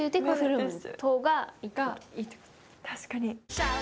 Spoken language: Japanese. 確かに。